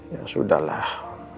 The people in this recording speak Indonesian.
ya sudah lah